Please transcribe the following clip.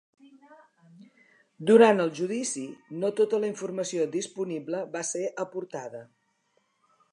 Durant el judici, ‘no tota la informació disponible va ser aportada’.